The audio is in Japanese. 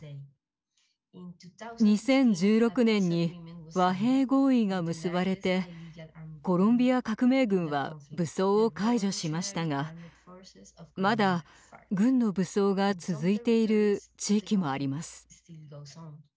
２０１６年に和平合意が結ばれてコロンビア革命軍は武装を解除しましたがまだ軍の武装が続いている地域もあります。